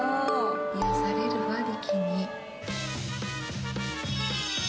癒やされるわリキに。